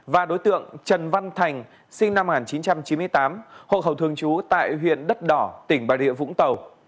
và đối tượng trần văn thành sinh năm một nghìn chín trăm chín mươi tám hộ khẩu thường trú tại huyện đất đỏ tỉnh bà rịa vũng tàu